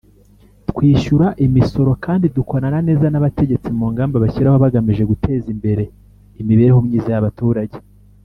twishyura imisoro kandi dukorana neza n’abategetsi mu ngamba bashyiraho bagamije guteza imbere imibereho myiza y’abaturage